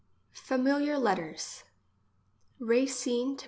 ^<i Familiar Letters. Racine to M.